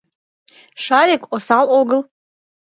Шарик осал огыл.